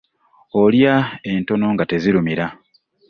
Olya entono nga tezirumira .